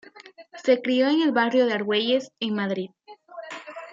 Se crió en el barrio de Argüelles, en Madrid..